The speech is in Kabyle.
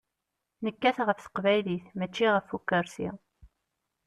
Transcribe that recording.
Nekkat ɣef teqbaylit, mačči ɣef ukersi.